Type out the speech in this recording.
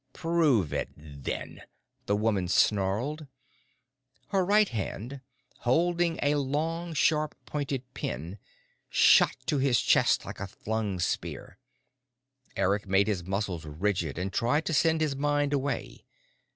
"Prove it, then!" the woman snarled. Her right hand, holding a long, sharp pointed pin, shot to his chest like a flung spear. Eric made his muscles rigid and tried to send his mind away.